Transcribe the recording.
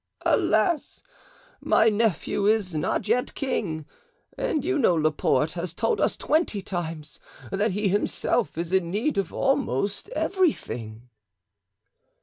"Alas! my nephew is not yet king, and you know Laporte has told us twenty times that he himself is in need of almost everything."